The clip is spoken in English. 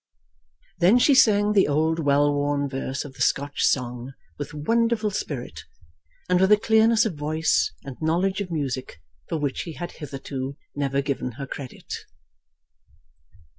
Then she sang the old well worn verse of the Scotch song with wonderful spirit, and with a clearness of voice and knowledge of music for which he had hitherto never given her credit.